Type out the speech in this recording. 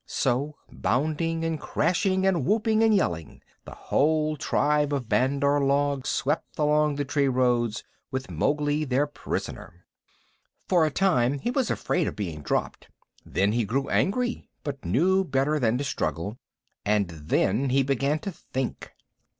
So, bounding and crashing and whooping and yelling, the whole tribe of Bandar log swept along the tree roads with Mowgli their prisoner. For a time he was afraid of being dropped. Then he grew angry but knew better than to struggle, and then he began to think.